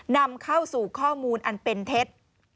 นำเข้าสู่ข้อมูลอันเป็นเท็จ